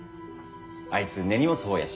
あいつ根に持つ方やし。